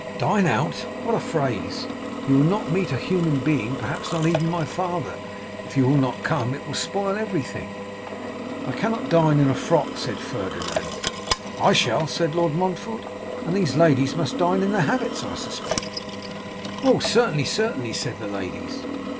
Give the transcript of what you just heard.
'Dine out! What a phrase! You will not meet a human being; perhaps not even my father. If you will not come, it will spoil everything.' 'I cannot dine in a frock,' said Ferdinand. 'I shall,' said Lord Montfort, 'and these ladies must dine in their habits, I suspect.' 'Oh! certainly, certainly,' said the ladies.